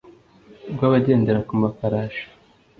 rw abagendera ku mafarashi